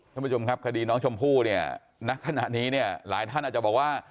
ท่านผู้ชมครับคดีน้องชมพู่เนี่ยณขณะนี้เนี่ยหลายท่านอาจจะบอกว่า